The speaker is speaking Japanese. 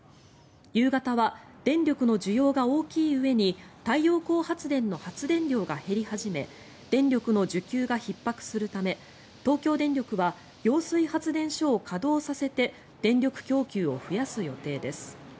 夕方は電力の需要が大きいうえに太陽光発電の発電量が減り始め電力の需給がひっ迫するため東京電力は揚水発電所を稼働させて電力供給を増やす予定です。